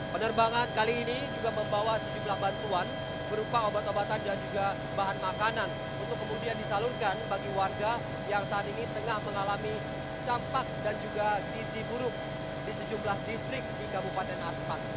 penerbangan kali ini juga membawa sejumlah bantuan berupa obat obatan dan juga bahan makanan untuk kemudian disalurkan bagi warga yang saat ini tengah mengalami campak dan juga gizi buruk di sejumlah distrik di kabupaten asmat